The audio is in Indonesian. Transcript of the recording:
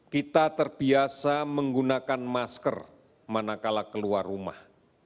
kita terbiasa menggunakan masker manakala keluar rumah